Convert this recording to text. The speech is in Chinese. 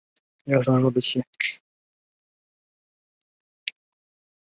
也可以用删除帧的办法提高运动速度。